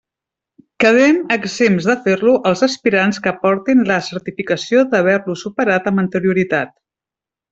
Quedem exempts de fer-lo els aspirants que aportin la certificació d'haver-lo superat amb anterioritat.